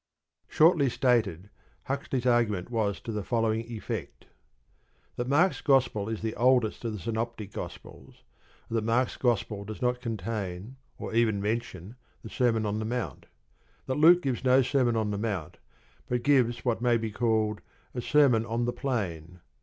Shortly stated, Huxley's argument was to the following effect: That Mark's Gospel is the oldest of the Synoptic Gospels, and that Mark's Gospel does not contain, nor even mention, the Sermon on the Mount. That Luke gives no Sermon on the Mount, but gives what may be called a "Sermon on the Plain."